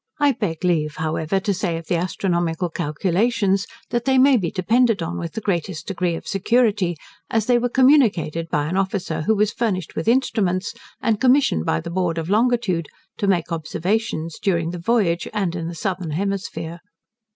I beg leave, however, to say of the astronomical calculations, that they may be depended on with the greatest degree of security, as they were communicated by an officer, who was furnished with instruments, and commissioned by the Board of Longitude, to make observations during the voyage, and in the southern hemisphere.